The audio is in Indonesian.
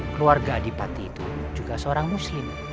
keluarga adipati itu juga seorang muslim